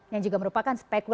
yang juga merupakan spesialis